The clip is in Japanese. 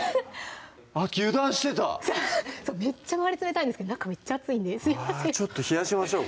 油断してためっちゃ周り冷たいんですけど中めっちゃ熱いんでちょっと冷やしましょう